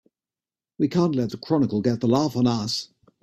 We can't let the Chronicle get the laugh on us!